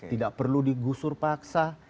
tidak perlu digusur paksa